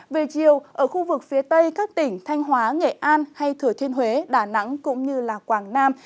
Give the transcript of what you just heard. về chiều ở khu vực phía tây các tỉnh thanh hóa nghệ an hay thừa thiên huế đà nẵng cũng như quảng nam